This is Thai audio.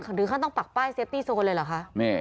ต้นถึงเขาต้องปักป้ายเซฟตี้โซนเลยหรอคะ